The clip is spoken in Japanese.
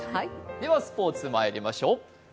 では、スポーツまいりましょう。